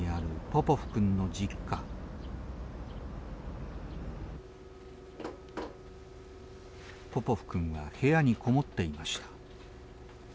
ポポフ君が部屋にこもっていました。